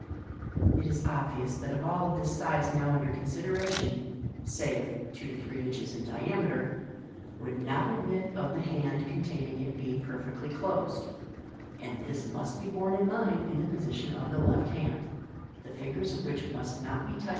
It is obvious that a ball of the size now under consideration (say of two to three inches in diameter) would not admit of the hand con taining it being perfectly closed } and this must be borne in mind in the position of the left hand, the fingers of which must not be tight!